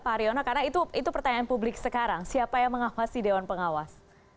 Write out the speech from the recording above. pak haryono karena itu pertanyaan publik sekarang siapa yang mengawasi dewan pengawas